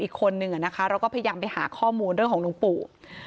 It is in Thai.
อีกคนนึงเราก็พยายามไปหาข้อมูลเรื่องของหลวงปู่